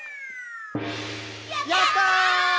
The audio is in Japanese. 「やったー！！」